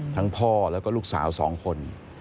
พ่อแล้วก็ลูกสาว๒คน